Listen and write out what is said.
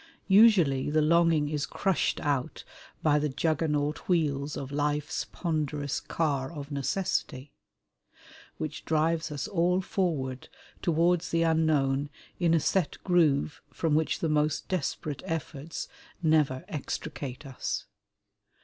Usually the longing is crushed out by the juggernaut wheels of life's ponderous Car of Necessity, which drives us all forward towards the Unknown in a set groove from which the most desperate efforts never extricate us.